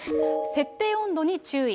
設定温度に注意。